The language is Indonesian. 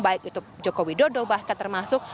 baik itu joko widodo bahkan termasuk